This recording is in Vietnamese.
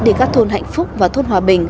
đi các thôn hạnh phúc và thôn hòa bình